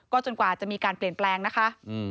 จนกว่าจะมีการเปลี่ยนแปลงนะคะ